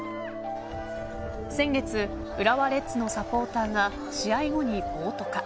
先月、浦和レッズのサポーターが試合後に暴徒化。